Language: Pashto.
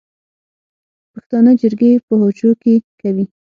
پښتانه جرګې په حجرو کې کوي